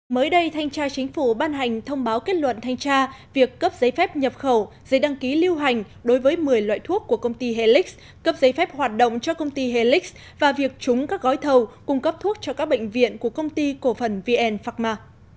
mới đây thanh tra chính phủ ban hành thông báo kết luận thanh tra việc cấp giấy phép nhập khẩu giấy đăng ký lưu hành đối với một mươi loại thuốc của công ty helix cấp giấy phép hoạt động cho công ty helix và việc trúng các gói thầu cung cấp thuốc cho các bệnh viện của công ty cổ phần vn pharma